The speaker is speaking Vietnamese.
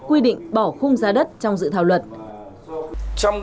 quy định bỏ khung giá đất trong dự thảo luật